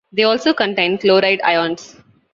They also contain chloride ions.